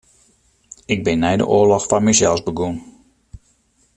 Ik bin nei de oarloch foar mysels begûn.